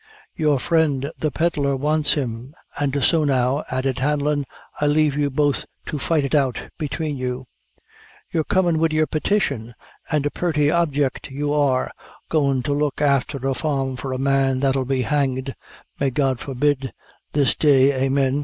"Your friend, the pedlar, wants him; and so now," added Hanlon, "I leave you both to fight it out between you." "You're comin' wid your petition, an' a purty object you are, goin' to look afther a farm for a man that'll be hanged, (may God forbid this day, amin!"